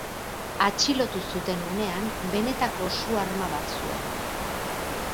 Atxilotu zuten unean, benetako su-arma bat zuen.